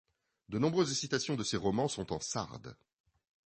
De nombreuses citations de ses romans sont en sarde.